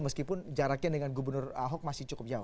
meskipun jaraknya dengan gubernur ahok masih cukup jauh